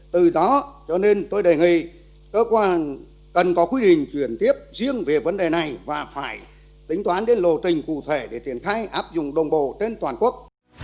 từ đó cho nên tôi đề nghị cơ quan cần có quy định chuyển tiếp riêng về vấn đề này và phải tính toán đến lộ trình cụ thể để triển khai áp dụng đồng bộ trên toàn quốc